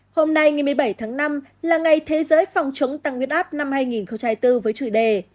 hôm nay ngày một mươi bảy tháng năm là ngày thế giới phòng chống tăng nguyệt áp năm hai nghìn bốn với chủ đề